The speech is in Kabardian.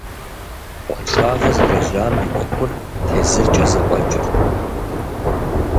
Къуаншагъэ зылэжьам и ӏуэхур тезыркӏэ зэфӏэкӏырт.